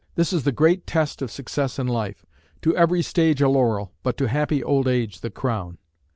This is the great test of success in life. To every stage a laurel, but to happy old age the crown.